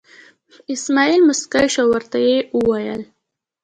اسمعیل موسکی شو او ورته یې وویل.